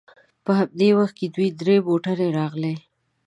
په همدې وخت کې دوې درې موټرې راغلې.